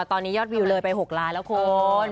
ตอนนี้ยอดวิวเลยไป๖ล้านแล้วคุณ